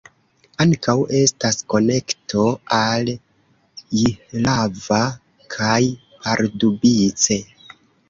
Ankaŭ estas konekto al Jihlava kaj Pardubice.